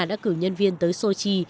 đã cử nhân viên tới sochi